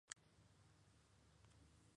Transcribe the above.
En la abuela de Teppei y madre de Hiromi.